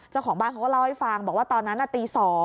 เจ้าของบ้านเขาก็เล่าให้ฟังบอกว่าตอนนั้นตี๒